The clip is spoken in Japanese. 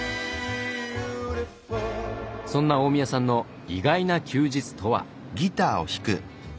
そんな大宮さんの意外な休日とは？